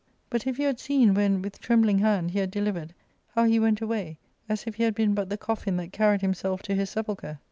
But if you had seen, when, with trembling hand, he had delivered, how he went away, as if he had been but the coffin that carried himself to his sepulchre.